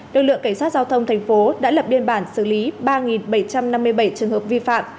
lực lượng cảnh sát giao thông thành phố đã lập biên bản xử lý ba bảy trăm năm mươi bảy trường hợp vi phạm